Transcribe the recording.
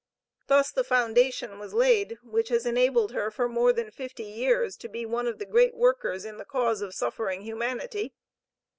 Thus the foundation was laid, which has enabled her, for more than fifty years, to be one of the great workers in the cause of suffering humanity.